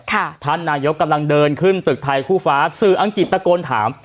ท่านนายกกำลังเดินขึ้นตึกไทยคู่ฟ้าสื่ออังกฤษตะโกนถาม